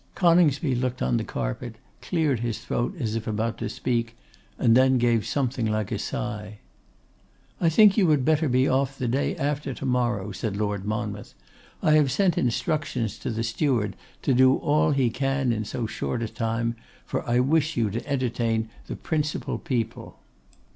Coningsby looked on the carpet, cleared his throat as if about to speak, and then gave something like a sigh. 'I think you had better be off the day after to morrow,' said Lord Monmouth. 'I have sent instructions to the steward to do all he can in so short a time, for I wish you to entertain the principal people.